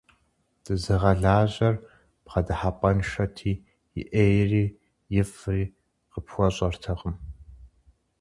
Дызыгъэлажьэр бгъэдыхьэпӏэншэти, и ӏейри ифӏри къыпхуэщӏэртэкъым.